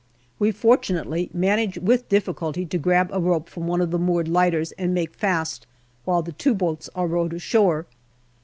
We fortunately manage with difficulty to grab a rope from one of the moored lighters and make fast while the two boats are rowed ashore.